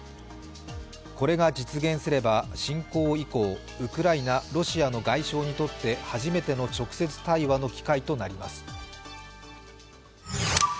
これが実現すれば、侵攻以降ウクライナ、ロシアの外相にとって初めての直接対話の機会となります。